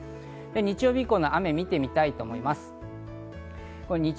日曜日以降の雨を見てみたいと思います。